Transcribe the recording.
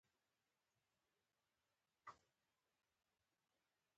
مصنوعي ځیرکتیا د پالیسي جوړونې ملاتړ کوي.